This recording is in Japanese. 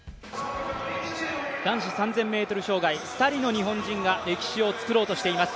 男子３０００ｍ障害、２人の日本人が歴史を作ろうとしています。